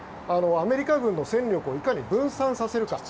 アメリカ軍の戦力をいかに分散させるか。